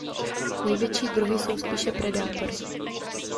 Největší druhy jsou spíše predátory.